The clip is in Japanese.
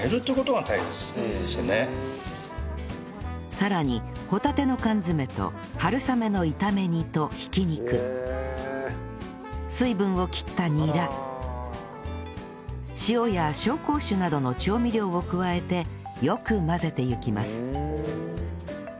さらに帆立の缶詰と春雨の炒め煮と挽き肉水分を切ったニラ塩や紹興酒などの調味料を加えてよく混ぜていきます